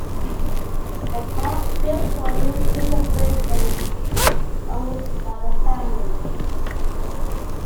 The Coghill Store is still in operation and owned by the family.